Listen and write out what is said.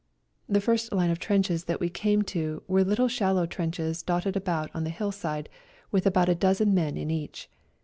The first line of trenches that we came to were little shallow trenches dotted about on the hillside, with about a dozen men in each.